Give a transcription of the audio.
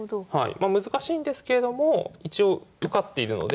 まあ難しいんですけれども一応受かっているので。